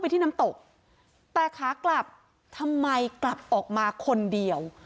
แต่ขากลับทำไมกลับออกมาคนเดียว